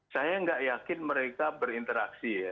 saya nggak yakin mereka berinteraksi ya